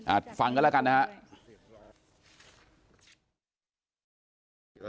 อ่าฟังกันแล้วกันนะฮะ